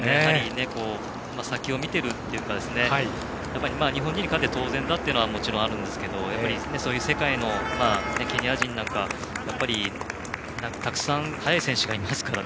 先を見ているというか日本人に勝って当然だというのはあるんですけどそういう世界にはケニア人なんかはたくさん速い選手がいますから。